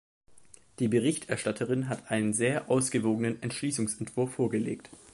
Die Berichterstatterin hat einen sehr ausgewogenen Entschließungsentwurf vorgelegt.